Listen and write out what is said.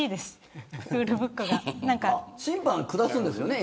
審判下すんですよね